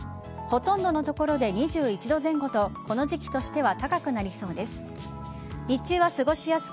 ほとんどの所で２１度前後とこの時期としては高くなりそうです。